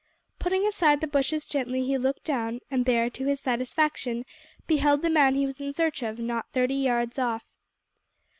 Pushing aside the bushes gently he looked down, and there, to his satisfaction, beheld the man he was in search of, not thirty yards off.